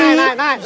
này này này này